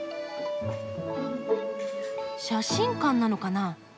写真館なのかな？